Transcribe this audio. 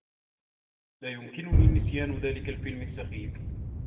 لا يمكنني نسيان ذلك الفيلم السّخيف.